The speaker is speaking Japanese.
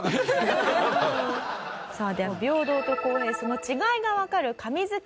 さあでは平等と公平その違いがわかる神図解。